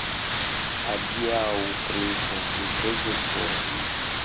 Adiaŭ, princo, mi preĝos por vi!